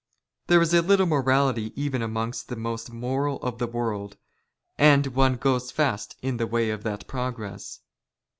There is little morality " even amongst the most moral of the world, and one goes fast " in the way of that progress.